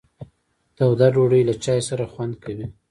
تاوده ډوډۍ له چای سره خوند کوي.